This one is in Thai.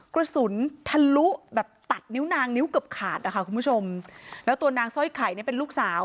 กระสุนทะลุแบบตัดนิ้วนางนิ้วเกือบขาดนะคะคุณผู้ชมแล้วตัวนางสร้อยไข่เนี่ยเป็นลูกสาว